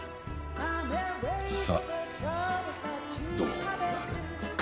さあどうなるか。